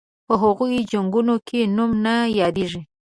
په هغو جنګونو کې نوم نه یادیږي.